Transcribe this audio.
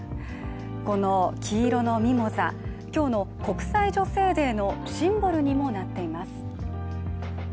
この黄色のミモザ、今日の国際女性デーのシンボルにもなっています。